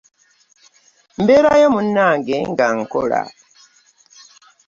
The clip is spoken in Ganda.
MBerayo munnange nga nkola .